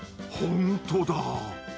ほんとだあ。